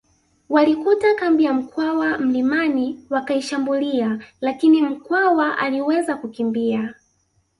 Walikuta kambi ya Mkwawa mlimani wakaishambulia lakini Mkwawa aliweza kukimbia